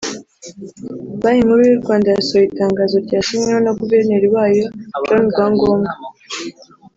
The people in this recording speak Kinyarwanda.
Banki Nkuru y’u Rwanda yasohoye itangazo ryasinyweho na Guverineri wayo John Rwangombwa